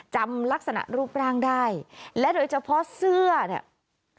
จำลักษณะรูปร่างได้และโดยเฉพาะเสื้อเนี่ย